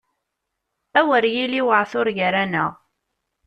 A wer yili waɛtur gar-aneɣ!